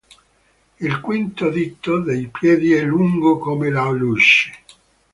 Il quinto dito dei piedi è lungo come l'alluce.